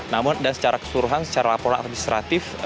namun dan secara keseluruhan secara laporan administratif